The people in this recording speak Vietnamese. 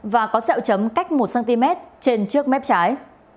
và có sẹo chấm cách một cm trên trước mép trái